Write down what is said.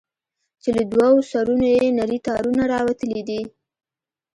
چې له دوو سرونو يې نري تارونه راوتلي دي.